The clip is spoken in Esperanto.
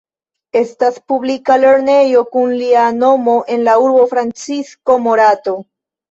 Estas publika lernejo kun lia nomo en la urbo Francisco Morato.